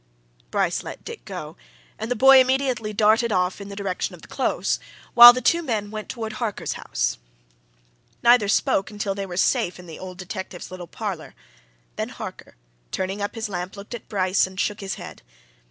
Bryce let Dick go, and the boy immediately darted off in the direction of the close, while the two men went towards Harker's house. Neither spoke until they were safe in the old detective's little parlour, then Harker, turning up his lamp, looked at Bryce and shook his head.